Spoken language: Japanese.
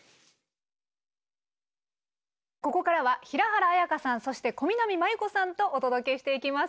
ここからは平原綾香さんそして小南満佑子さんとお届けしていきます。